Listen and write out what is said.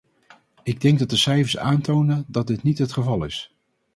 Ik denk dat de cijfers aantonen dat dit niet het geval is.